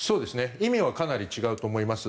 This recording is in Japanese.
意味はかなり違うと思います。